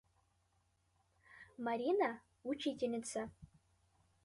Марина — учительница.